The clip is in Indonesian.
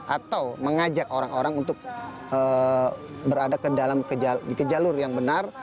atau mengajak orang orang untuk berada di jalur yang benar